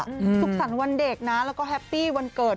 สุขสรรค์วันเด็กนะแล้วก็แฮปปี้วันเกิด